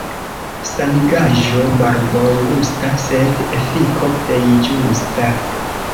Sanigaĵo malbongusta, sed efiko plej ĝusta.